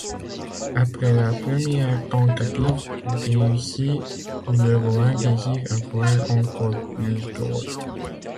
Après la première tentative, réussie, le roi désire avoir encore plus d'or.